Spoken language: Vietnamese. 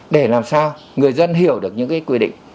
để làm sao người dân hiểu được những quy định